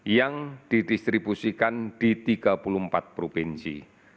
yang didistribusikan di tiga puluh empat provinsi